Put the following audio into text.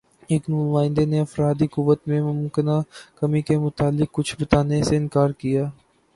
ایک نمائندے نے افرادی قوت میں ممکنہ کمی کے متعلق کچھ بتانے سے اِنکار کِیا